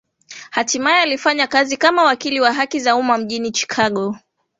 Hatimae alifanya kazi kama wakili wa haki za umma mjini Chicago